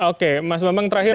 oke mas bambang terakhir